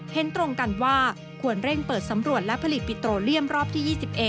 เห็นตรงกันว่าควรเร่งเปิดสำรวจและผลิตปิโตเลียมรอบที่๒๑